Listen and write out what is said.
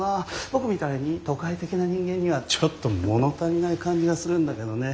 僕みたいに都会的な人間にはちょっと物足りない感じがするんだけどね。